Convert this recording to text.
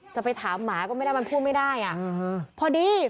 จะไปถามหมาก็ไม่ได้